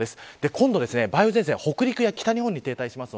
今度、梅雨前線は北陸や北日本に停滞します。